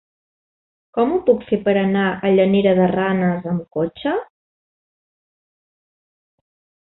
Com ho puc fer per anar a Llanera de Ranes amb cotxe?